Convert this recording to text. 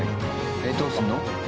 えっどうするの？